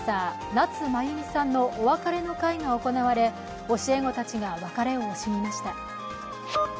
夏まゆみさんのお別れの会が行われ教え子たちが別れを惜しみました。